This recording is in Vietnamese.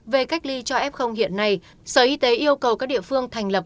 về cách ly cho f hiện nay sở y tế yêu cầu các địa phương thành lập